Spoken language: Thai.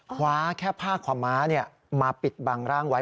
คว้าแค่ผ้าขวาม้ามาปิดบังร่างไว้